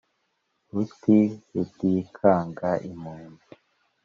ruti rutikanga impunzi